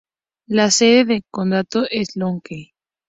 La sede de condado es Lonoke.